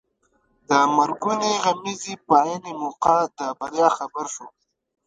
د مرګونې غمیزې په عین موقع د بریا خبر شو.